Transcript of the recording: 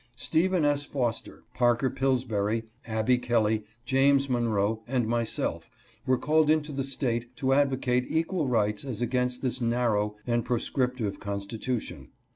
Stephen S. Foster, Parker Pillsbury, Abby Kelley, James Monroe, and myself were called into the State to advocate equal rights as against this narrow and proscriptive constitution.